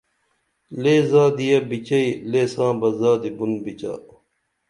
لے زادیہ بِچئں لے ساں بہ زادی بُن بِچا